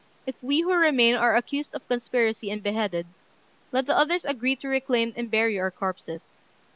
If we who remain are accused of conspiracy and beheaded, let the others agree to reclaim and bury our corpses.